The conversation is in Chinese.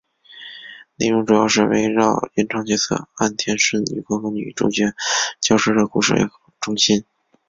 内容主要是围绕原创角色岸田瞬与各个女主角交织的故事为中心。